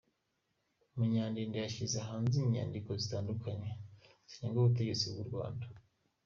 Munyandinda yashyize hanze inyandiko zitandukanye zinenga ubutegetsi bw’u Rwanda.